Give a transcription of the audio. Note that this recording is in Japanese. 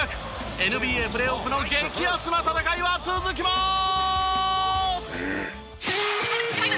ＮＢＡプレーオフの激熱な戦いは続きまーす！